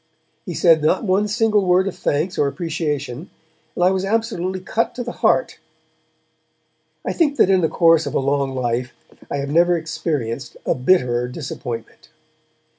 He said not one single word of thanks or appreciation, and I was absolutely cut to the heart. I think that in the course of a long life I have never experienced a bitterer disappointment.